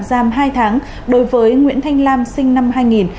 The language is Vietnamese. giam hai tháng đối với nguyễn thanh lam sinh năm hai nghìn